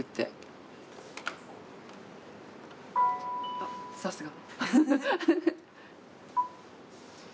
あっさすが。